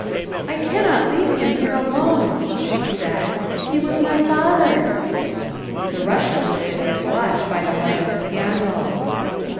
" I cannot leave him here alone," she said, " he was my father." The Russian looked at his watch by the light of the candle.